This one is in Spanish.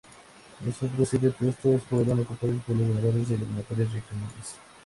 Los otros siete puestos fueron ocupados por los ganadores de eliminatorias regionales.